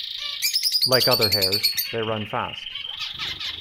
Like other hares, they run fast.